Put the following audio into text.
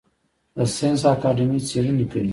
د ساینس اکاډمي څیړنې کوي